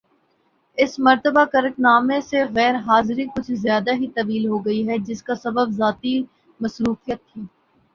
اس مرتبہ کرک نامہ سے غیر حاضری کچھ زیادہ ہی طویل ہوگئی ہے جس کا سبب ذاتی مصروفیت تھی